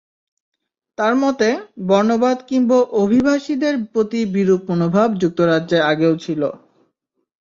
তাঁর মতে, বর্ণবাদ কিংবা অভিবাসীদের প্রতি বিরূপ মনোভাব যুক্তরাজ্যে আগেও ছিল।